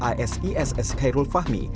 isess kairul fahmi